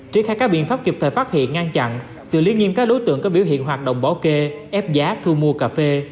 triển khai các biện pháp kịp thời phát hiện ngăn chặn sự liên nhiên các đối tượng có biểu hiện hoạt động bỏ kê ép giá thu mua cà phê